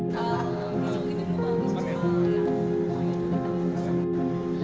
kalau gitu maksudnya